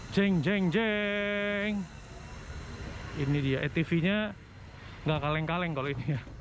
ceng ceng ceng ini dia etv nya nggak kaleng kaleng kalau ini ya